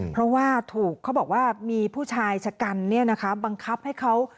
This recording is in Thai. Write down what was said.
เพราะว่าถูกเขาบอกว่ามีผู้ชายชะกันเนี่ยนะคะบังคับให้เขา